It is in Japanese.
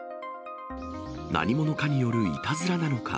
何者かによるいたずらなのか。